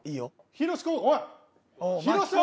ヒロシおい！